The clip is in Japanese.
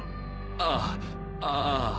ああああ。